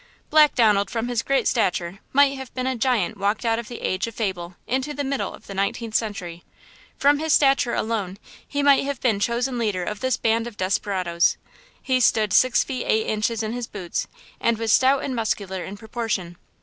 Black Donald, from his great stature, might have been a giant walked out of the age of fable into the middle of the nineteenth century. From his stature alone, he might have been chosen leader of this band of desperadoes. He stood six feet eight inches in his boots, and was stout and muscular in proportion.